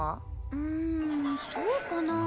うんそうかなぁ。